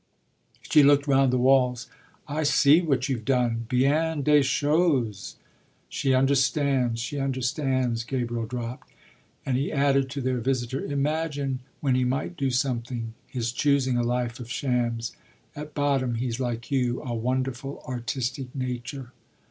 She looked round the walls. "I see what you've done bien des choses." "She understands she understands," Gabriel dropped. And he added to their visitor: "Imagine, when he might do something, his choosing a life of shams! At bottom he's like you a wonderful artistic nature."